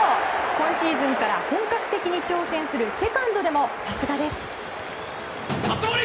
今シーズンから本格的に挑戦するセカンドでもさすがです。